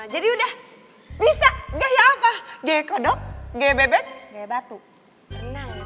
jadi udah bisa no apparently tirana arnold